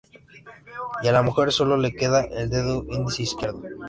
Y a la mujer solo le queda el dedo índice izquierdo.